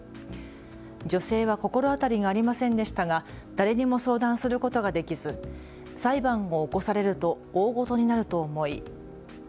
女性は心当たりがありませんでしたが誰にも相談することができず裁判を起こされると大ごとになると思い。